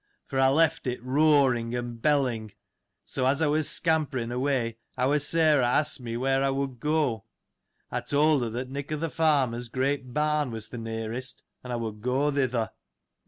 527 for, I left it roaring^ and belling .^ so, as I was scampering away, our Sarah asked me where I would go ? I told her that Nick o' th' Farmer's great barn was th' nearest, and I would go thither.